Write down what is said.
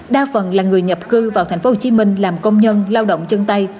đa phần là người nhập cư vào thành phố hồ chí minh làm công nhân lao động chân tay